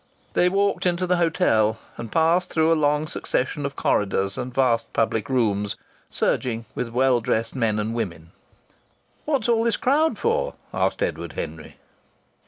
They walked into the hotel, and passed through a long succession of corridors and vast public rooms surging with well dressed men and women. "What's all this crowd for?" asked Edward Henry.